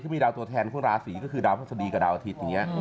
มีดาวตัวแทนของราศีก็คือดาวพัศดีกับดาวอาทิตย์